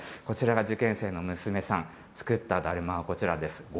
こちらが受験生の娘さん、作っただるまはこちらです。